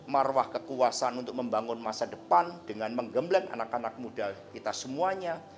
marwah kekuasaan untuk membangun masa depan dengan menggembleng anak anak muda kita semuanya